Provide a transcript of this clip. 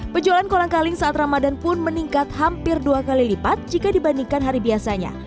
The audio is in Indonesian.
penjualan kolang kaling saat ramadan pun meningkat hampir dua kali lipat jika dibandingkan hari biasanya